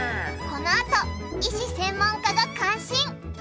このあと医師・専門家が感心